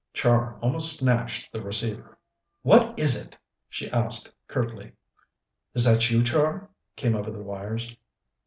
Char almost snatched the receiver. "What is it?" she asked curtly. "Is that you, Char?" came over the wires.